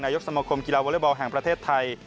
ยกสมคมกีฬาวอเล็กบอลแห่งประเทศไทย